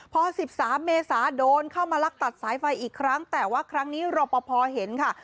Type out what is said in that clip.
พอ๑๓เมษาโดนเข้ามาลักตัดสายไฟอีกครั้งแต่ว่าครั้งนี้รอปภเห็นค่ะ